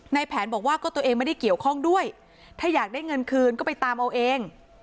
ในแผนบอกว่าก็ตัวเองไม่ได้เกี่ยวข้องด้วยถ้าอยากได้เงินคืนก็ไปตามเอาเอง